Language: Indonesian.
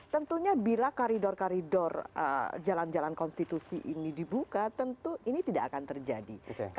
tentunya bila koridor koridor jalan jalan konstitusi ini dibuka tentu ini tidak akan terjadi